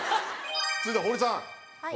続いては堀さん。